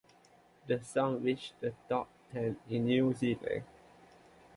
The song also reached the top ten in New Zealand.